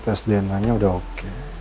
aku harus ke rumah andien sekarang